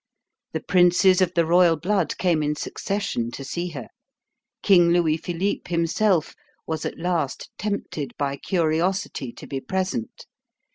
The princes of the royal blood came in succession to see her. King Louis Philippe himself was at last tempted by curiosity to be present.